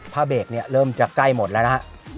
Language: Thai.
พละเบรกเริ่มจะใกล้หมดละนะครับ